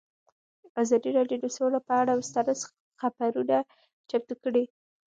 ازادي راډیو د سوله پر اړه مستند خپرونه چمتو کړې.